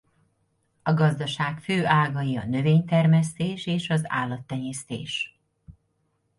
A gazdaság fő ágai a növénytermesztés és az állattenyésztés.